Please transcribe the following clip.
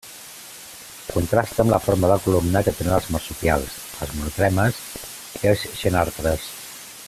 Contrasta amb la forma de columna que tenen els marsupials, els monotremes i els xenartres.